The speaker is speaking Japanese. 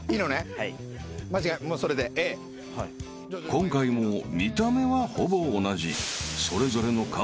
［今回も見た目はほぼ同じ］